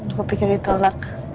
aku pikir ditolak